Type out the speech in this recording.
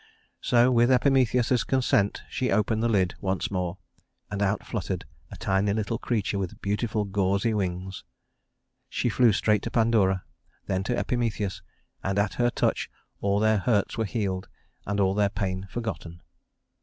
So with Epimetheus's consent she opened the lid once more, and out fluttered a tiny little creature with beautiful gauzy wings. She flew straight to Pandora, then to Epimetheus, and at her touch all their hurts were healed and all their pain forgotten.